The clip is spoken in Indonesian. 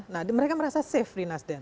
nah mereka merasa safe di nasdem